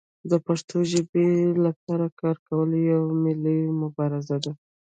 د پښتو ژبې لپاره کار کول یوه ملي مبارزه ده.